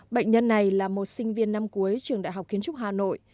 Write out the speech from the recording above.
bệnh nhân này là một sinh viên năm cuối trường đại học kiến trúc hà nội